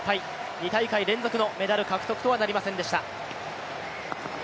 ２大会連続のメダル獲得とはなりませんでした。